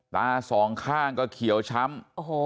ตาสองข้างก็เขียวช้ำ